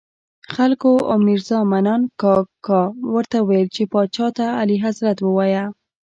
خلکو او میرزا منان کاکا ورته ویل چې پاچا ته اعلیحضرت ووایه.